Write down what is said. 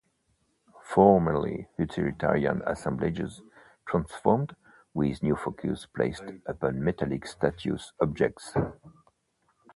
Formerly utilitarian assemblages transformed, with new focus placed upon metallic status objects.